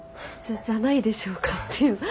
「じゃないでしょうか」っていう。